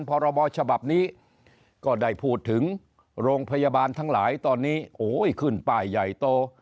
พรบฉบับนี้ก็ได้พูดถึงโรงพยาบาลทั้งหลายตอนนี้ขึ้นป้ายใหญ่โต